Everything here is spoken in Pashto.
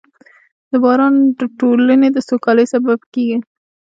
• باران د ټولنې د سوکالۍ سبب کېږي.